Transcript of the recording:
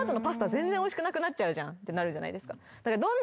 全然おいしくなくなっちゃうじゃんってなるじゃないですか。